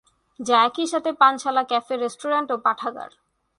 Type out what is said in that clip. যা একইসাথে পানশালা, ক্যাফে, রেস্টুরেন্ট ও পাঠাগার।